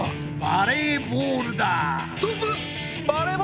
バレーボール！